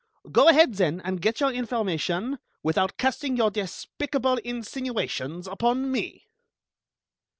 Go ahead, then, and get your information, without casting your despicable insinuations upon me."